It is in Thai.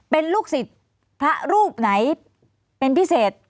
เป็นลูกศิษย์พระรูปไหนเป็นพิเศษ